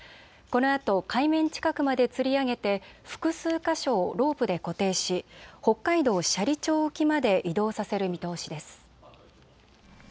このあと海面近くまでつり上げて複数箇所をロープで固定し北海道斜里町沖まで移動させる見通しです。